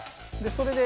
それで。